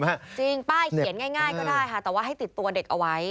จริงป้ายเขียนง่ายก็ได้ค่ะแต่ว่าให้ติดตัวเด็กเอาไว้